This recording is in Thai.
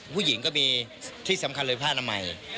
ผู้หญิงก็มีที่สำคัญเลยผ้าอนามัย